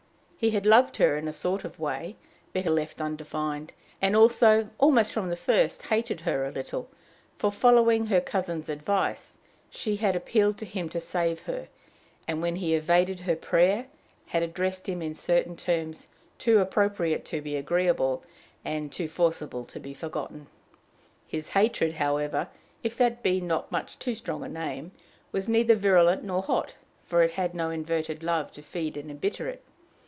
He had loved her in a sort of a way, better left undefined, and had also, almost from the first, hated her a little; for, following her cousin's advice, she had appealed to him to save her, and, when he evaded her prayer, had addressed him in certain terms too appropriate to be agreeable, and too forcible to be forgotten. His hatred, however, if that be not much too strong a name, was neither virulent nor hot, for it had no inverted love to feed and embitter it.